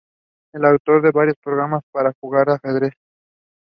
All processes regarding bookings and payments are done online.